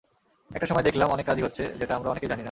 একটা সময় দেখলাম অনেক কাজই হচ্ছে, যেটা আমরা অনেকেই জানি না।